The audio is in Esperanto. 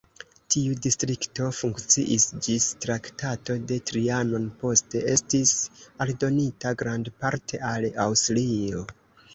Tiu distrikto funkciis ĝis Traktato de Trianon, poste estis aldonita grandparte al Aŭstrio.